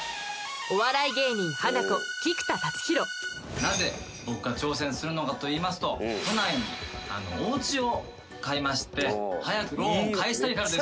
なぜ僕が挑戦するのかといいますと都内におうちを買いまして早くローンを返したいからです